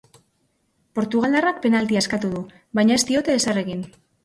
Portugaldarrak penaltia eskatu du, baina ez diote ezer egin.